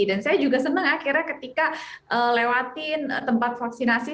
dan saya juga senang akhirnya ketika lewatin tempat vaksinasi